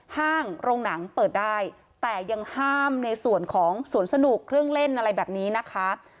ห้างโรงหนังเปิดได้แต่ยังห้ามในส่วนของสวนสนุกเครื่องเล่นอะไรแบบนี้นะคะ